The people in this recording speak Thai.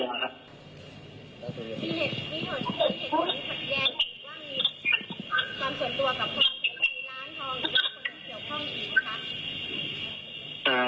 ส่วนตัวกับคนที่ร้านทองหรือคนที่เกี่ยวพร่องหรือเปล่า